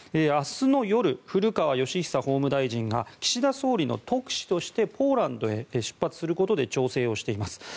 明日の夜、古川禎久法務大臣が岸田総理の特使としてポーランドへ出発することで調整をしています。